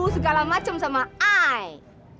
segala macem sama i